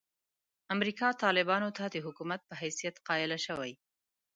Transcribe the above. امریکا طالبانو ته د حکومت په حیثیت قایله شوې.